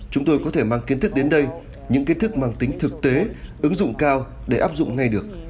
chúng tôi có thể mang kiến thức đến đây những kiến thức mang tính thực tế ứng dụng cao để áp dụng ngay được